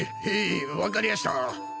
へい分かりやした。